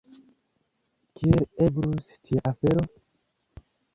Kiel eblus tia afero?